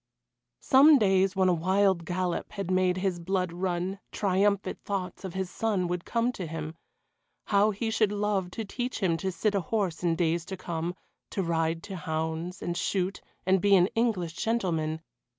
Some days when a wild gallop had made his blood run, triumphant thoughts of his son would come to him. How he should love to teach him to sit a horse in days to come, to ride to hounds, and shoot, and be an English gentleman.